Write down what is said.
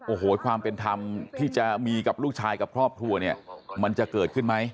โอ้โหความเป็นธรรมที่จะมีกับลูกชายกับครอบครัวเนี่ยมันจะเกิดขึ้นไหม